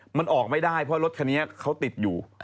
มันออกไม่ได้เพราะรถคันนี้เขาติดอยู่